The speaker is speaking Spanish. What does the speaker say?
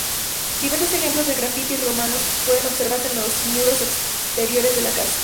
Diversos ejemplos de grafiti romanos pueden observarse en los muros exteriores de la casa.